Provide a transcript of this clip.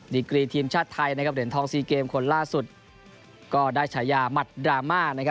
ดิกรีทีมชาติไทยนะครับเดือนทอง๔เกมคนล่าสุดก็ได้ฉายามัดดราม่านะครับ